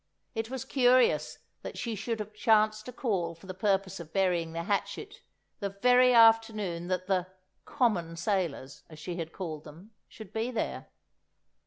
It was curious that she should have chanced to call for the purpose of burying the hatchet, the very afternoon that the "common sailors," as she had called them, should be there!